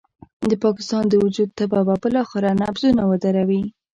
د پاکستان د وجود تبه به بالاخره نبضونه ودروي.